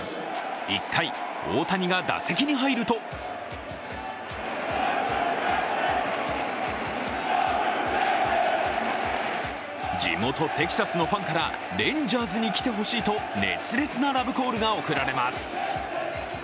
１回、大谷が打席に入ると地元テキサスのファンからレンジャーズに来てほしいと熱烈なラブコールが贈られます。